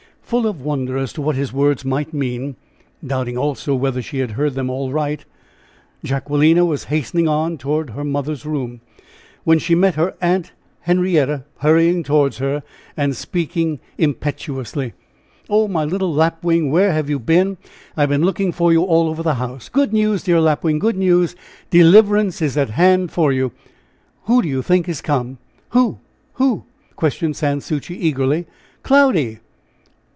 Full of wonder as to what his words might mean, doubting also whether she had heard them aright, Jacquelina was hastening on toward her mother's room, when she met her Aunt Henrietta hurrying toward her, and speaking impetuously. "Oh, my little Lapwing! where have you been? I have been looking for you all over the house! Good news, dear Lapwing! Good news! Deliverance is at hand for you! Who do you think has come?" "Who? Who?" questioned Sans Souci, eagerly. "Cloudy!"